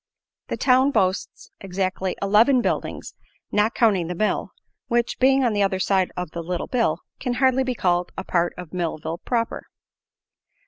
The town boasts exactly eleven buildings, not counting the mill, which, being on the other side of the Little Bill, can hardly be called a part of Millville proper.